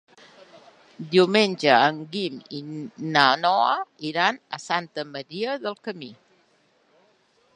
Diumenge en Guim i na Noa iran a Santa Maria del Camí.